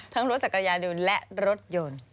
ทั้งรถจักรยานและรถยนต์